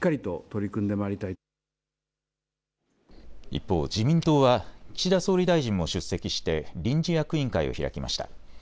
一方、自民党は岸田総理大臣も出席して臨時役員会を開きました。